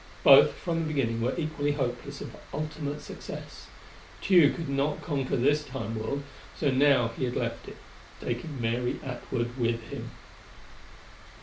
Both, from the beginning, were equally hopeless of ultimate success. Tugh could not conquer this Time world, so now he had left it, taking Mary Atwood with him....